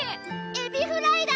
エビフライだ！